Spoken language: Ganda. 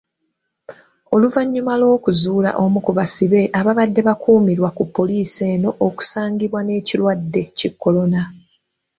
Oluvanyuma lw'okuzuula omu ku basibe abadde akuumirwa ku poliisi eno okusangibwa n'ekirwadde ki Kolona.